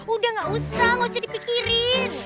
udah gak usah gak usah dipikirin